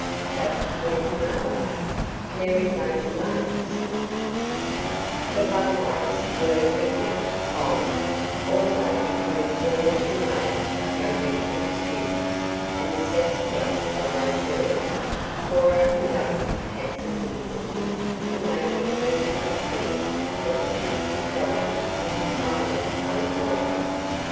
CHAPTER XXIX MERRY MOTOR MAIDS The runaways were forgiven, finally, although between four "enraged" young medical students, and the sextette of motor girls, Cora and Duncan had some difficulty in making it perfectly clear that the trip to Chelton was entirely unavoidable.